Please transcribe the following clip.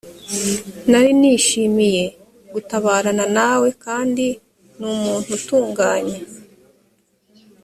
nari nishimiye gutabarana nawe kandi ni umuntu utunganye